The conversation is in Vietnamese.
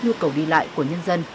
nhu cầu đi lại của nhân dân